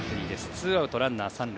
ツーアウトランナー３塁。